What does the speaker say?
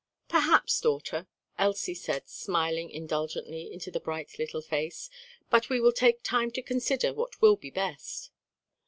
"Perhaps, daughter," Elsie said smiling indulgently into the bright little face, "but we will take time to consider what will be best."